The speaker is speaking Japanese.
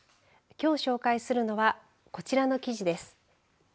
きょう紹介するのはこちらの記事です。